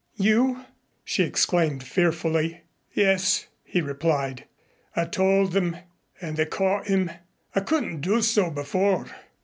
"You ?" she exclaimed fearfully. "Yes," he replied. "I told and they caught him. I couldn't do so before.